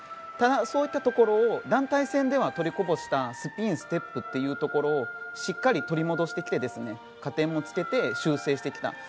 ただ、そういったところ団体戦では取りこぼしたスピン、ステップというところをしっかり取り戻してきて加点もつけて修正してきた。